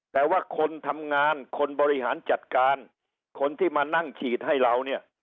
แต่ว่าคนทำงานคนบริหารจัดการคนที่มานั่งฉีดให้เราเนี่ย